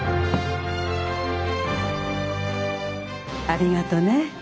ありがとね。